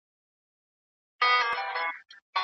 اسناد باید بې له کوم بدلون څخه ښکاره سی.